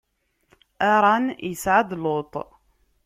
Aṛan isɛa-d Luṭ.